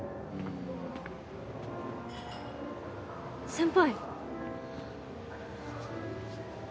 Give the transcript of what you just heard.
先輩。